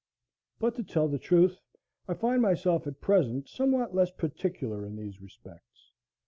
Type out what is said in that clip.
But to tell the truth, I find myself at present somewhat less particular in these respects.